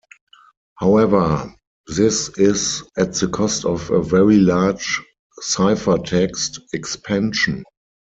However, this is at the cost of a very large ciphertext expansion.